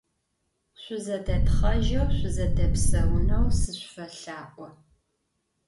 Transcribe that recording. Şüzedetxhejeu şsuzedepseuneu sıpfelha'o.